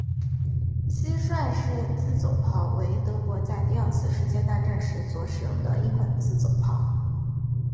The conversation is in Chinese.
蟋蟀式自走炮为德国在第二次世界大战时所使用的一款自走炮。